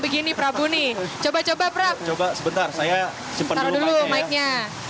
begini prabu nih coba coba coba sebentar saya simpan dulu mic nya